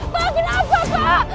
pak kenapa pak